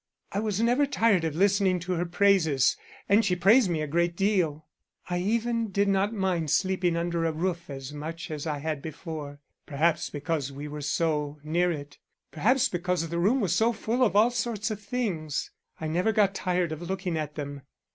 I was never tired of listening to her praises and she praised me a great deal. I even did not mind sleeping under a roof as much as I had before, perhaps because we were so near it; perhaps because the room was so full of all sorts of things, I never got tired of looking at them.